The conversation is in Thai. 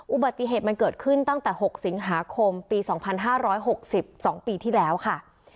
อุบัติเหตุมันเกิดขึ้นตั้งแต่๖สิงหาคมปี๒๕๖๒ปีที่แล้วค่ะ